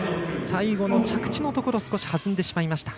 最後の着地のところ少し弾んでしまいました。